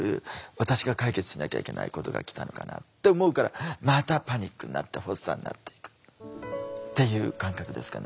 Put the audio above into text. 私が解決しなきゃいけないことが来たのかな」って思うからまたパニックになって発作になっていくっていう感覚ですかね。